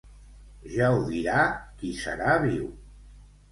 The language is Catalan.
Ja ho dirà qui serà viu.